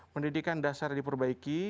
pendidikan dasar diperbaiki